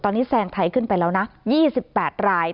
ตอนนี้แซงไทยขึ้นไปแล้วนะ๒๘ราย